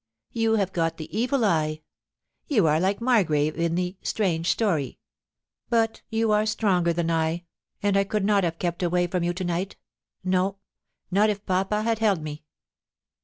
You have got the evil eye. You are like Mar grave in the "Strange Stor>\" ... But you are stronger than I, and I could not have kept away from you to night — no, not if papa had held me